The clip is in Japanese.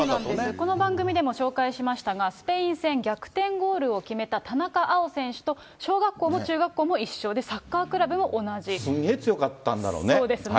この番組でも紹介しましたが、スペイン戦、逆転ゴールを決めた田中碧選手と小学校も中学校も一緒で、すんげえ強かったんだろうね。